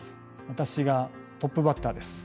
私がトップバッターです。